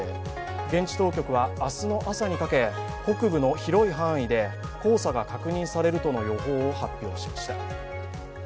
現地当局は、明日の朝にかけ北部の広い範囲で黄砂が確認されるとの予報を発表しました。